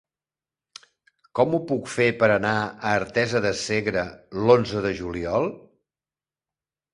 Com ho puc fer per anar a Artesa de Segre l'onze de juliol?